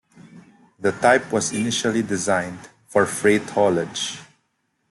The type was initially designed for freight haulage.